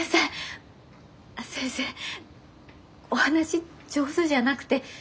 先生お話上手じゃなくて。